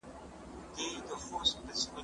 زه اجازه لرم چي سندري واورم!!